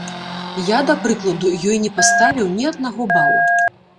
Я, да прыкладу, ёй не паставіў ні аднаго бала.